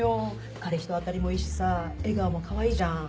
彼人当たりもいいしさ笑顔もかわいいじゃん。